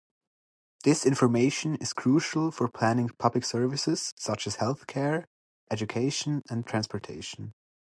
This information is crucial for planning public services, such as healthcare, education, and transportation.